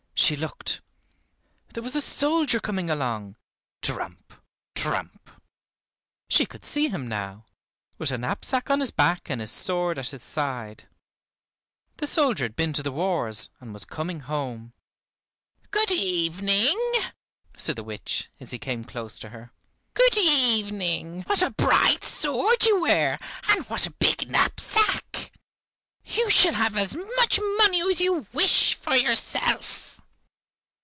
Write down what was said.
She looked! There was a soldier coming along; tramp, tramp. She could see him now, with a knapsack on his back, and his sword at his side. The soldier had been to the wars and was coming home. "Good evening," said the witch, as he came close to her. "Good evening; what a bright sword you wear, and what a big knapsack! You shall have as much money as you wish for yourself!"